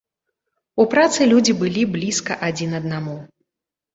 У працы людзі былі блізка адзін аднаму.